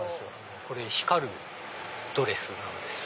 これ光るドレスなんですよ。